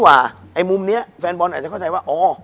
ไอ้มุมนี้แฟนบอลอาจจะเข้าใจว่าอ๋อ